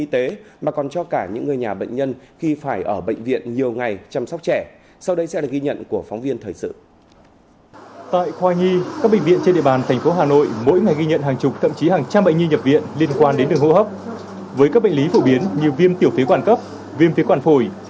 thế nên là bệnh nhân nhi rất là đông hầu như là bệnh viện nào cũng quá tải